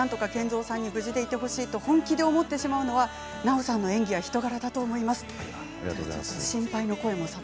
無事でいてほしいと本気で思ってしまうのは南朋さんの演技や人柄だと思います。